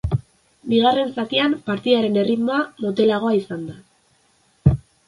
Bigarren zatian partidaren erritmoa motelagoa izan da.